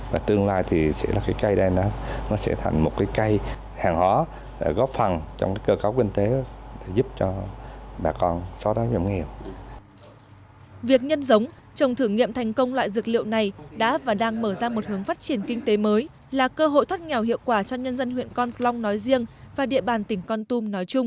việc nhân giống trồng thử nghiệm thành công loại dược liệu này đã và đang mở ra một hướng phát triển kinh tế mới là cơ hội thoát nghèo hiệu quả cho nhân dân huyện con klong nói riêng và địa bàn tỉnh con tôm nói chung